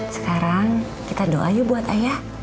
sekarang kita doa yuk buat ayah